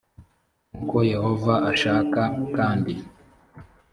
nk uko yehova ashaka kandi